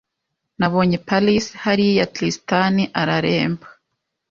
Nabonye Paris hariya Tristan areremba